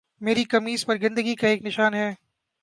میری قمیض پر گندگی کا ایک نشان ہے